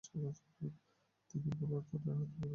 দলে তিনি মূলতঃ ডানহাতি অফ ব্রেক বোলিং করতেন।